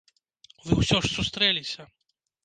Вы ўсё ж сустрэліся?